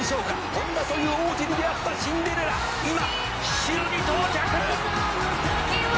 「本田という王子に出会ったシンデレラ」「今城に到着！」